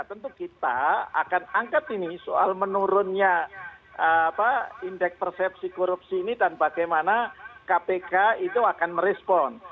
tentu kita akan angkat ini soal menurunnya indeks persepsi korupsi ini dan bagaimana kpk itu akan merespon